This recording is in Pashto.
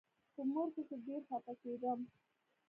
په مور پسې ډېر خپه کېدم.